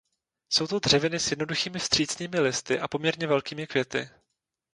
Jsou to dřeviny s jednoduchými vstřícnými listy a poměrně velkými květy.